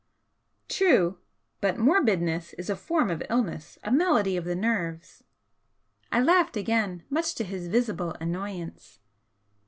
"True! but morbidness is a form of illness, a malady of the nerves " I laughed again, much to his visible annoyance.